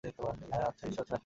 হ্যাঁ আচ্ছা, ঈর্ষা হচ্ছে নাকি?